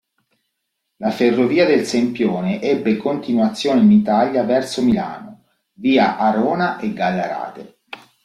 La ferrovia del Sempione ebbe continuazione in Italia verso Milano, via Arona e Gallarate.